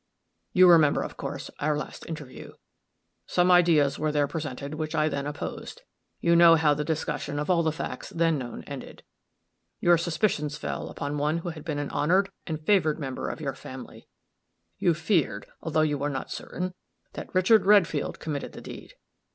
You remember, of course, our last interview. Some ideas were there presented which I then opposed. You know how the discussion of all the facts then known ended. Your suspicions fell upon one who had been an honored and favored member of your family you feared, although you were not certain, that Richard Redfield committed the deed.